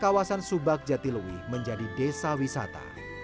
kawasan subak jatiluwi menjadi desa wisata